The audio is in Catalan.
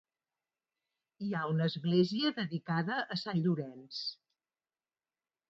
Hi ha una església, dedicada a Sant Llorenç.